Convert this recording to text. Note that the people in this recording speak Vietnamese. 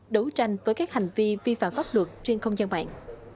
đấu tranh với các hành vi vi phạm pháp luật trên không gian mạng